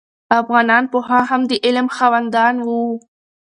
افغانان پخوا هم د علم خاوندان وو.